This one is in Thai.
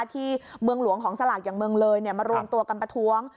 ที่เมืองหลวงของสลากอย่างเมืองเลยมารวมตัวกันประท้วง